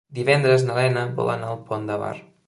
Divendres na Lena vol anar al Pont de Bar.